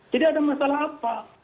tidak ada masalah apa